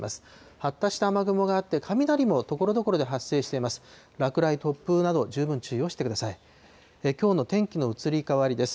発達した雨雲があって、雷もところどころで発生しています。